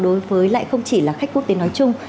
đối với lại không chỉ là khách quốc tế nói chung